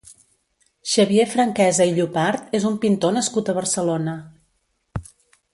Xavier Franquesa i Llopart és un pintor nascut a Barcelona.